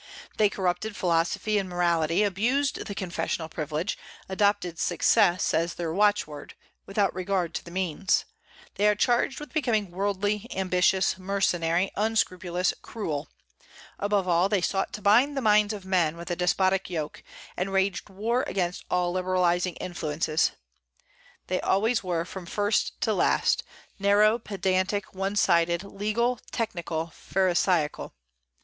They corrupted philosophy and morality, abused the confessional privilege, adopted Success as their watchword, without regard to the means; they are charged with becoming worldly, ambitious, mercenary, unscrupulous, cruel; above all, they sought to bind the minds of men with a despotic yoke, and waged war against all liberalizing influences. They always were, from first to last, narrow, pedantic, one sided, legal, technical, pharisaical.